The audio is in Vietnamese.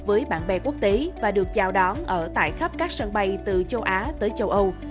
với bạn bè quốc tế và được chào đón ở tại khắp các sân bay từ châu á tới châu âu